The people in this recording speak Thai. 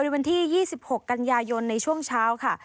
วันที่๒๖กันยายนในช่วงเช้าค่ะ